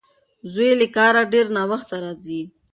زوی یې له کاره ډېر ناوخته راځي.